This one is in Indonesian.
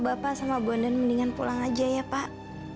bapak sama bundan mendingan pulang aja ya pak